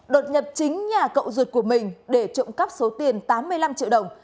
đột nhập chính nhà cậu ruột của mình để trộm cắp số tiền tám mươi năm triệu đồng